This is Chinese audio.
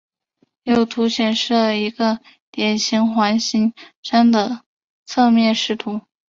右图显示了一个典型环形山的侧面视图。